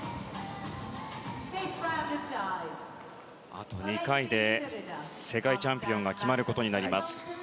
あと２回で世界チャンピオンが決まることになります。